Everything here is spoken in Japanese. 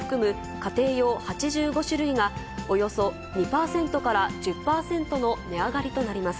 家庭用８５種類がおよそ２％から１０％の値上がりとなります。